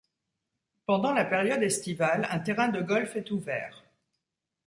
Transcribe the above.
Pendant la période estivale, un terrain de golf est ouvert.